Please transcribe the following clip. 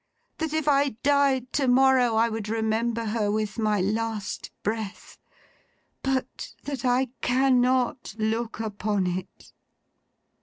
That if I died to morrow, I would remember her with my last breath. But, that I cannot look upon it!